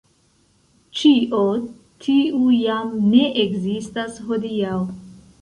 Ĉio tiu jam ne ekzistas hodiaŭ.